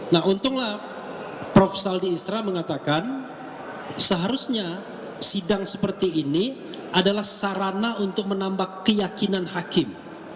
nah untunglah prof saldi isra mengatakan seharusnya sidang seperti ini adalah sarana untuk menambah keyakinan hakim